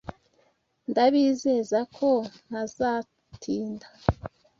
Ndabizeza ko ntazatinda.